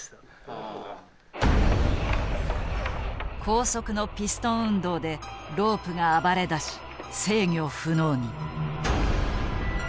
高速のピストン運動でロープが暴れだし制御不能に。